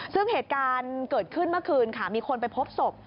ซึ่งเหตุการณ์เกิดขึ้นเมื่อคืนค่ะมีคนไปพบศพ